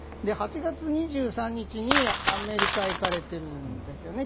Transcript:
８月２３日にアメリカへ行かれているんですね